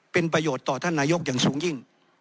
เป็นประโยชน์ต่อท่านนายกอย่างสูงยิ่ง